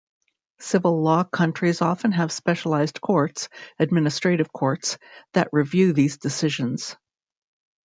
Civil law countries often have specialized courts, administrative courts, that review these decisions.